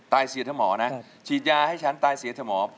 ตายเสียเจ็ดหมอนะฉีดยาให้ฉันตายเสียเจ็ดหมอ